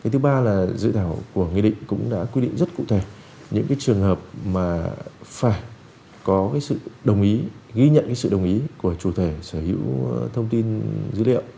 thứ ba là dự thảo của nghị định cũng đã quy định rất cụ thể những trường hợp mà phải có sự đồng ý ghi nhận sự đồng ý của chủ thể sở hữu thông tin dữ liệu